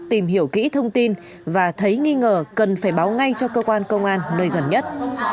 tìm hiểu kỹ thông tin và thấy nghi ngờ cần phải báo ngay cho cơ quan công an nơi gần nhất